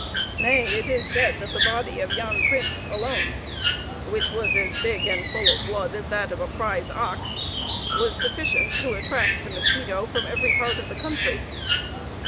Nay, it is said that the body of Jan Printz alone, which was as big and as full of blood as that of a prize ox, was sufficient to attract the mosquito from every part of the country.